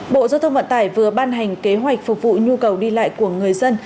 bộ giao thông vận tải vừa ban hành kế hoạch phục vụ nhu cầu đi lại của người dân